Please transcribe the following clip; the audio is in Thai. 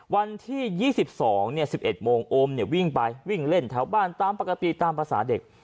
วันที่๒๒๑๑โมงโอมวิ่งไปวิ่งเล่นแถวบ้านตามปกติตามภาษาเด็ก